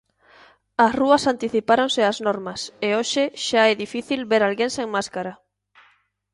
As rúas anticipáronse ás normas, e hoxe xa é difícil ver alguén sen máscara.